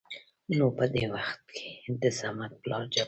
نو په د وخت کې دصمد پلار جبار